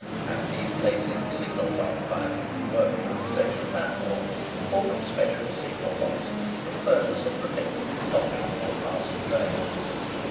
At these places, signals are provided, worked from the station platforms, or from special signal boxes, for the purpose of protecting the stopping or passing trains.